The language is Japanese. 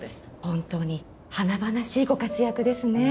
本当に華々しいご活躍ですね。